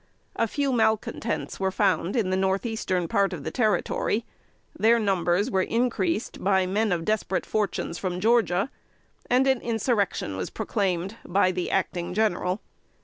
A few malcontents were found in the northeastern part of the Territory; their numbers were increased by men of desperate fortunes from Georgia; and an insurrection was proclaimed by the Acting General.